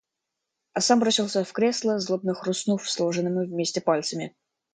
А сам бросился в кресло, злобно хрустнув сложенными вместе пальцами...